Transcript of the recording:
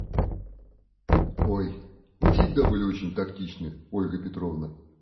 Ой, Вы всегда были очень тактичны, Ольга Петровна.